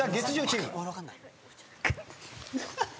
分かんない。